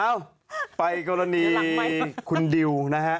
เอ้าไปกรณีคุณดิวนะฮะ